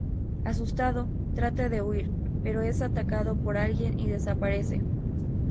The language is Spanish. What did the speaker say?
Asustado, trata de huir, pero es atacado por alguien y desaparece.